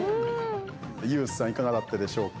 ＹＯＵさんいかがだったでしょうか？